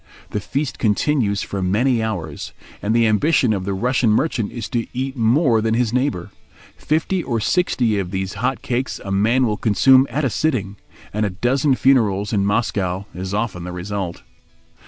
The feast continues for many hours, and the ambition of the Russian merchant is to eat more than his neighbour. Fifty or sixty of these hot cakes a man will consume at a sitting, and a dozen funerals in Moscow is often the result.